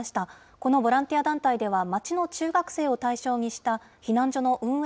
このボランティア団体では、町の中学生を対象にした避難所の運営